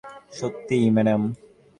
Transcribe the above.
সত্যিই, ম্যাডাম।